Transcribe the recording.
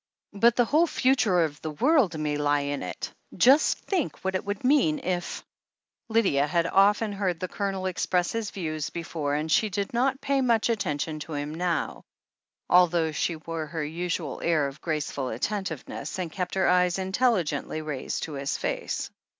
"But the whole future of the world may lie in it! Just think what it would mean if " Lydia had often heard the Colonel express his views before, and she did not pay much attention to him now, although she wore her usual air of graceful attentive ness, and kept her eyes intelligently raised to his face.